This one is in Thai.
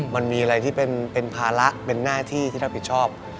มันมีอะไรที่เป็นภาระเป็นหน้าที่ที่รับผิดชอบ